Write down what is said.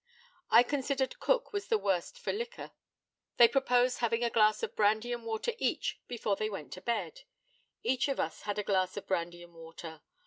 I considered Cook was the worse for liquor. They proposed having a glass of brandy and water each before they went to bed. Each of us had a glass of brandy and water.